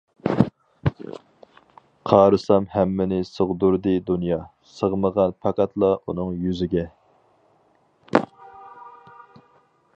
قارىسام ھەممىنى سىغدۇردى دۇنيا، سىغمىغان پەقەتلا ئۇنىڭ يۈزىگە.